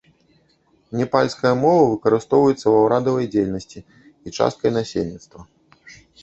Непальская мова выкарыстоўваецца ва ўрадавай дзейнасці і часткай насельніцтва.